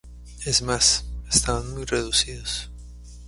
Es más, estaban muy reducidos.